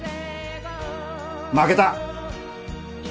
負けた。